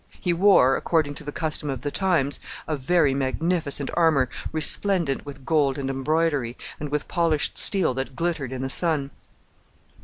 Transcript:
He wore, according to the custom of the times, a very magnificent armor, resplendent with gold and embroidery, and with polished steel that glittered in the sun.